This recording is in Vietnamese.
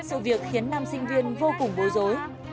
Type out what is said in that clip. sự việc khiến nam sinh viên vô cùng bối rối